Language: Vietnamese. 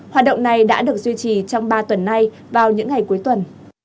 hoạt động này đã được duy trì trong ba tuần nay vào những ngày cuối tuần